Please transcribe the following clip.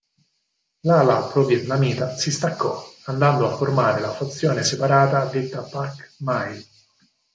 L'ala pro-vietnamita si staccò andando a formare la fazione separata detta "Pak Mai".